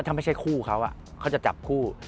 ไม่ใช่คู่เขาจะจับคู่